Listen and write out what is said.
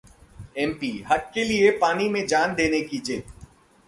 MP: हक के लिए पानी में जान देने की जिद